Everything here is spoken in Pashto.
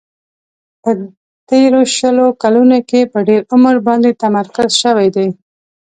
په تیرو شلو کلونو کې په ډېر عمر باندې تمرکز شوی دی.